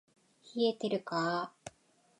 冷えてるか～